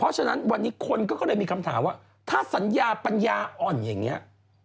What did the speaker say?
อาจจะเดินไปทำงานง่ายอะไรแบบนี้เนี่ย